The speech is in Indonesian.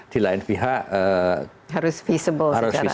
di lain pihak harus feasible secara bisnis